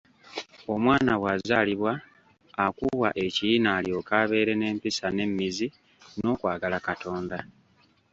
Omwana bw’azaalibwa akubwa ekiyina alyoke abeere n’empisa n’emmizi n’okwagala Katonda.